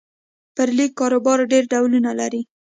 پر لیکه کاروبار ډېر ډولونه لري.